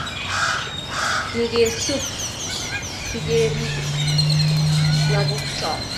Ni kesubi sikerib lagokcho